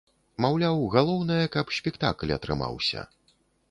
Маўляў, галоўнае, каб спектакль атрымаўся.